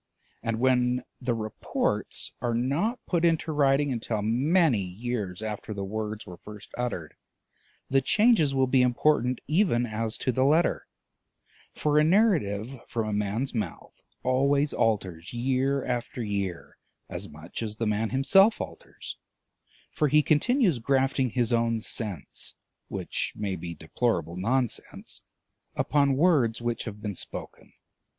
And when the reports are not put into writing until many years after the words were first uttered, the changes will be important even as to the letter; for a narrative from a man's mouth always alters year after year as much as the man himself alters, for he continues grafting his own sense (which may be deplorable nonsense) upon words which have been spoken.